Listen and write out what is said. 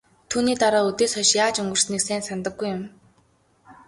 Түүний дараа үдээс хойш яаж өнгөрснийг сайн санадаггүй юм.